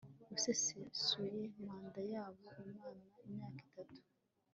busesuye manda yabo imara imyaka itatu